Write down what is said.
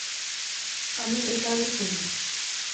আমি একাজই করি।